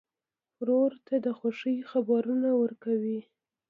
ورور ته د خوښۍ خبرونه ورکوې.